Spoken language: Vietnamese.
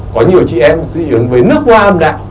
có nhiều chị em dị ứng với nước hoa âm đạo